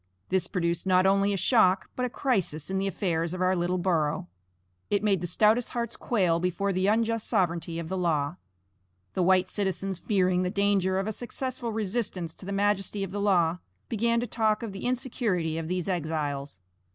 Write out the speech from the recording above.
This produced not only a shock, but a crisis in the affairs of our little borough. It made the stoutest hearts quail before the unjust sovereignty of the law. The white citizens fearing the danger of a successful resistance to the majesty of the law, began to talk of the insecurity of these exiles.